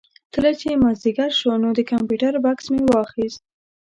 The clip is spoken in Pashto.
کله چې مازدیګر شو نو د کمپیوټر بکس مې واخېست.